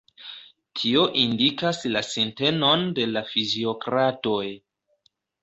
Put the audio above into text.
Tio indikas la sintenon de la fiziokratoj.